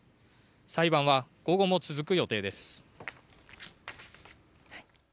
裁判は午後も続く予定です。